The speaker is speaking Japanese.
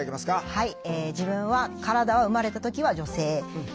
はい。